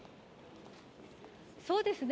そうですね。